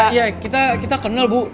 iya kita kenal bu